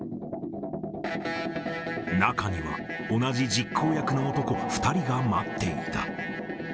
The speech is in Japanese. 中には同じ実行役の男２人が待っていた。